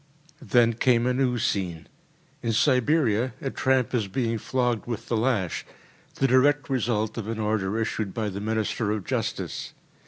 Then came a new scene. In Siberia, a tramp is being flogged with the lash, the direct result of an order issued by the Minister of justice.